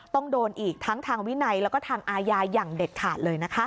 ต้องโดนอีกทั้งทางวินัยแล้วก็ทางอาญาอย่างเด็ดขาดเลยนะคะ